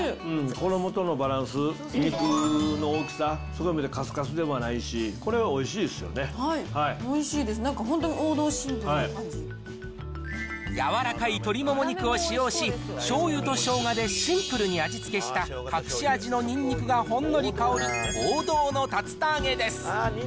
衣とのバランス、肉の大きさ、かすかすではないし、これはおおいしいです、なんか本当に王道、柔らかい鶏もも肉を使用し、しょうゆとしょうがでシンプルに味付けした隠し味のにんにくがほんのり香り、王道の竜田揚げです。